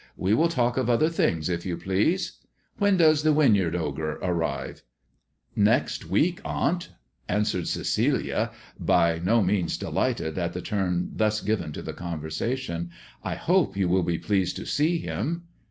We will talk of other things, if you please. When does the Winyard ogre arrive 1 "" Next week, aunt," answered Celia, by no means de lighted at the turn thus given to the conversation. " I hope you will be pleased to see him."